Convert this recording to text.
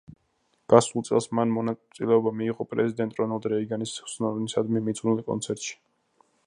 გასულ წელს, მან მონაწილეობა მიიღო პრეზიდენტ რონალდ რეიგანის ხსოვნისადმი მიძღვნილ კონცერტში.